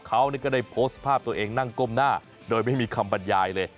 เขาก็ได้โพสต์ภาพตัวเองนั่งก้มหน้าโดยไม่มีคำบรรยายเลย